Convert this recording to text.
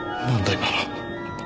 今の。